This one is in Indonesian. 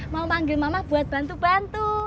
mau manggil mama buat bantu bantu